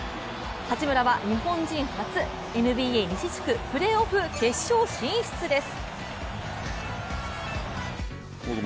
八村は日本人初、ＮＢＡ西地区プレーオフ決勝進出です